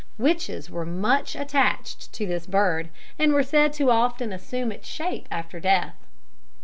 Witches were much attached to this bird, and were said to often assume its shape after death.